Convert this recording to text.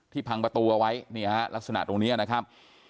พังประตูเอาไว้นี่ฮะลักษณะตรงนี้นะครับ